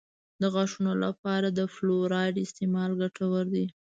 د غاښونو لپاره د فلورایډ استعمال ګټور دی.